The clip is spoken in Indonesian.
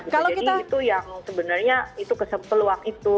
jadi itu yang sebenarnya itu keseluruhan itu